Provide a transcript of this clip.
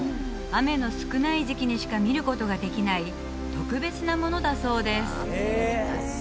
雨の少ない時期にしか見ることができない特別なものだそうです